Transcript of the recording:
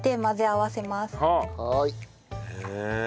へえ。